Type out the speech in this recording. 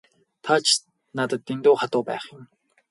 Та ч надад дэндүү хатуу байх юм.